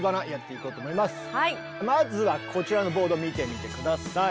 まずはこちらのボード見てみて下さい。